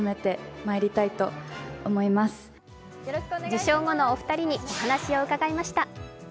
受賞後のお二人にお話を伺いました。